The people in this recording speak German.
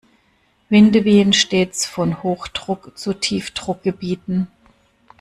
Winde wehen stets von Hochdruck- zu Tiefdruckgebieten.